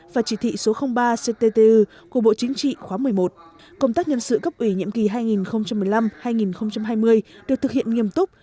và chỉ thị số ba cttu của bộ chính trị khóa một mươi một công tác nhân sự cấp ủy nhiệm kỳ hai nghìn một mươi năm hai nghìn hai mươi được thực hiện nghiêm túc